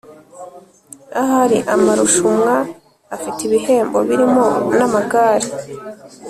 Ahari amarushumwa afite ibihembo birimo namagare